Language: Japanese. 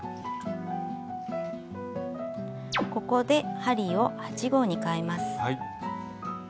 ここで針を８／０号にかえます。